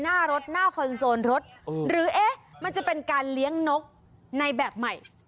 หน้ารถหน้าคอนโซนรถหรือเอ๊ะมันจะเป็นการเลี้ยงนกในแบบใหม่